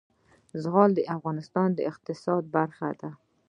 زغال د افغانستان د اقتصاد برخه ده.